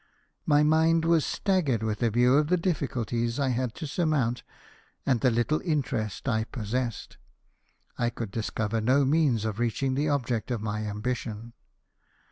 My mind was staggered with a view of the difficulties I had to surmount, and the little interest I possessed. I could discover no means of reaching the object of my am bition.